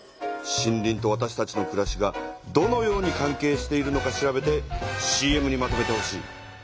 森林とわたしたちのくらしがどのように関係しているのか調べてＣＭにまとめてほしい。